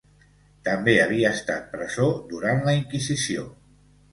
També havia estat presó durant la Inquisició.